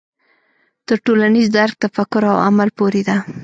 تر ټولنیز درک تفکر او عمل پورې دی.